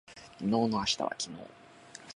昨日の明日は今日だ